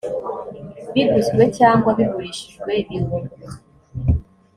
biguzwe cyangwa bigurishijwe birunguka